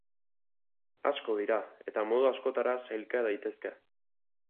Asko dira, eta modu askotara sailka daitezke.